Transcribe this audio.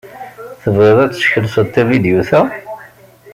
Tebɣiḍ ad teskelseḍ tavidyut-a?